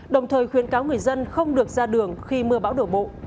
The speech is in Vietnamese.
đồng thời khuyến cáo người dân không được ra đường khi mưa bão đổ bộ